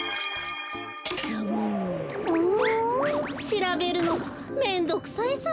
しらべるのめんどくさいサボ。